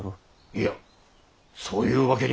いやそういうわけには。